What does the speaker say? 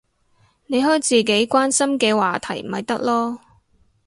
你開自己關心嘅話題咪得囉